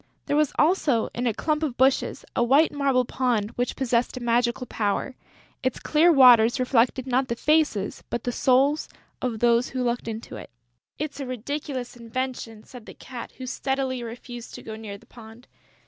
There was also, in a clump of bushes, a white marble pond which possessed a magic power: its clear waters reflected not the faces, but the souls of those who looked into it. "It's a ridiculous invention," said the Cat, who steadily refused to go near the pond.